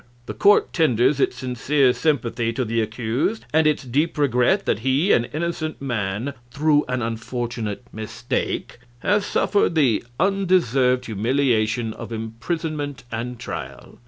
The court tenders its sincere sympathy to the accused, and its deep regret that he, an innocent man, through an unfortunate mistake, has suffered the undeserved humiliation of imprisonment and trial.